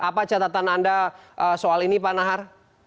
apa catatan anda soal ini pak nahar